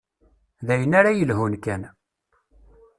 D ayen ara yelhun kan.